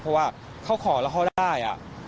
เพราะว่าเขาขอแล้วเขาได้